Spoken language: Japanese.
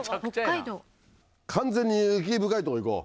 完全に雪深いとこ行こう。